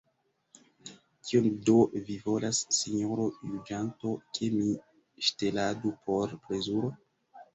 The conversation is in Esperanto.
Kion do vi volas, sinjoro juĝanto, ke mi ŝteladu por plezuro?